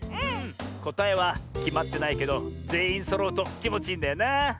こたえはきまってないけどぜんいんそろうときもちいいんだよな。